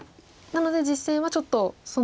なので実戦はちょっと。